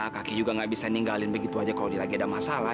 kaki juga nggak bisa ninggalin begitu aja kalau lagi ada masalah